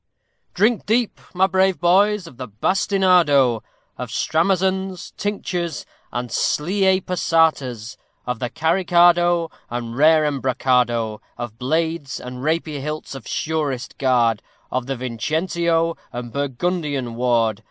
_ Drink deep, my brave boys, of the bastinado; Of stramazons, tinctures, and slié passatas; Of the carricado, and rare embrocado; Of blades, and rapier hilts of surest guard; Of the Vincentio and Burgundian ward.